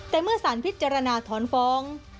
แต่เมื่อสารพิจารณาถอนฟ้อง